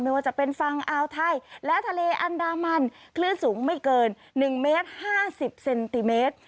ว่าจะเป็นฝั่งอ่าวไทยและทะเลอันดามันคลื่นสูงไม่เกิน๑เมตร๕๐เซนติเมตร